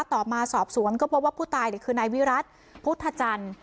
ต่อมาสอบสวนก็พบว่าผู้ตายคือนายวิรัติพุทธจันทร์